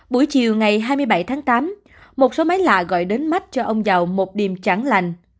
buổi chiều ngày hai mươi bảy tháng tám một số máy lạ gọi đến mắt cho ông giàu một điểm chẳng lành